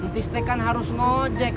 tis teh kan harus nojek